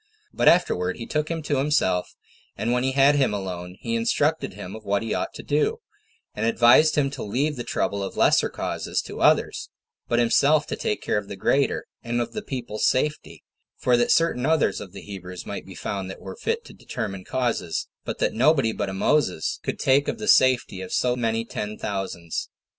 But afterward he took him to himself, and when he had him alone, he instructed him in what he ought to do; and advised him to leave the trouble of lesser causes to others, but himself to take care of the greater, and of the people's safety, for that certain others of the Hebrews might be found that were fit to determine causes, but that nobody but a Moses could take of the safety of so many ten thousands.